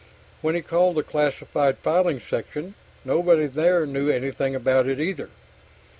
Then he called the classified filing section; nobody there knew anything about it either.